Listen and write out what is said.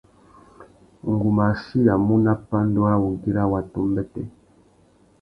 Ngu mú achiyamú nà pandú râ wugüira watu umbêtê.